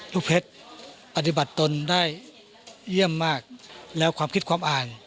เพชรปฏิบัติตนได้เยี่ยมมากแล้วความคิดความอ่าน